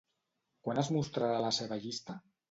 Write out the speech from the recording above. Quan es mostrarà la seva llista?